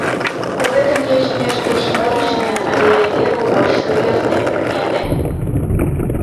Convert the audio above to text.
У гэтым ёсць нешта сімвалічнае, але я веру ў больш сур'ёзныя прыкметы.